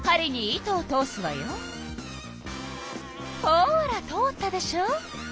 ほら通ったでしょ！